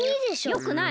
よくない。